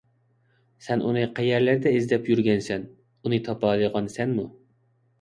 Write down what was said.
سەن ئۇنى قەيەرلەردە ئىزدەپ يۈرگەنسەن، ئۇنى تاپالىغانسەنمۇ؟